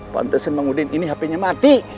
pantesan bang udin ini hp nya mati